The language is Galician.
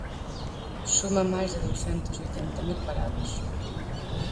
Suma máis de douscentos oitenta mil parados.